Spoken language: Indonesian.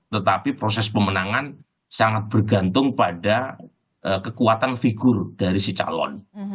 tetapi proses pemenangan sangat bergantung pada kekuatan figur dari si calon